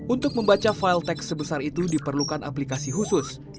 untuk membaca file tech sebesar itu diperlukan aplikasi khusus